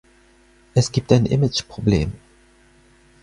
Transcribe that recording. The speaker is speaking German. Es gibt ein Imageproblem.